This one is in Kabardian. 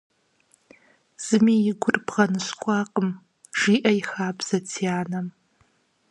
«Зыми и гур бгъэныщкӏуакъым», жиӏэ и хабзэт си анэм.